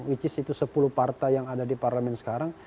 which is itu sepuluh partai yang ada di parlemen sekarang